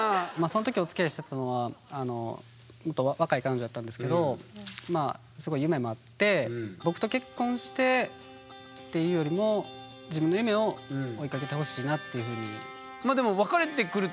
その時おつきあいしてたのはもっと若い彼女やったんですけどすごい夢もあって僕と結婚してっていうよりも自分の夢を追いかけてほしいなっていうふうに。